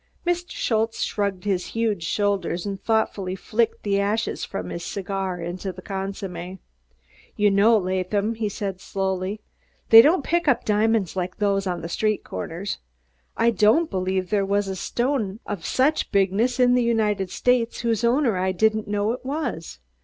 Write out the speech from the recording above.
Mr. Schultze shrugged his huge shoulders and thoughtfully flicked the ashes from his cigar into the consomme. "You know, Laadham," he said slowly, "dey don't pick up diamonds like dose on der streed gorners. I didn't believe dere vas a stone of so bigness in der Unided States whose owner I didn't know id vas.